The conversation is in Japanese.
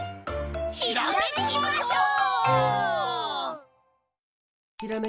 ひらめきましょう！